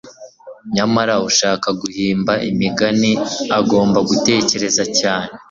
nyamara ushaka guhimba imigani agomba gutekereza cyane